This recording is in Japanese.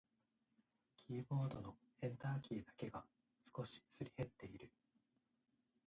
キーボードのエンターキーだけが少しすり減っている。